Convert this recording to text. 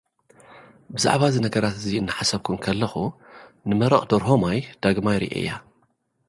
ብዛዕባ'ዚ ነገራት'ዚ እናሓሰብኩ እንከለኹ፡ ን"መረቕ ደርሆ-ማይ" ዳግማይ ርኤያ።